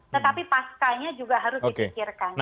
tetapi pascanya juga harus dipikirkan